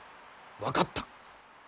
分かった！